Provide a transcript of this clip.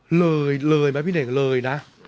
เหลือเลยนะพี่เด็กหน่า